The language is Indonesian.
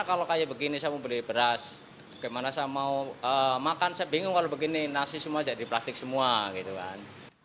kalau kayak begini saya mau beli beras gimana saya mau makan saya bingung kalau begini nasi semua jadi plastik semua gitu kan